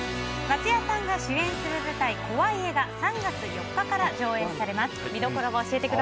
松也さんが主演する舞台「怖い絵」が３月４日から上演されます。